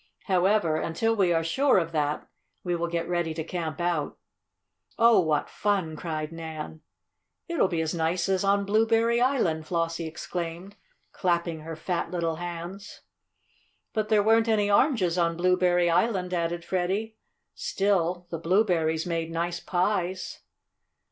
However, until we are sure of that, we will get ready to camp out." "Oh, what fun!" cried Nan. "It'll be as nice as on Blueberry Island!" Flossie exclaimed, clapping her fat little hands. "But there weren't any oranges on Blueberry Island," added Freddie. "Still the blueberries made nice pies."